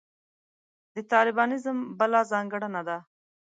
د طالبانیزم بله ځانګړنه ده.